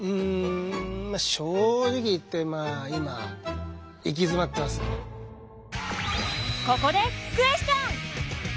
正直言って今ここでクエスチョン！